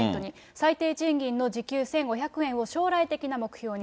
最低賃金の時給１５００円を将来的な目標に。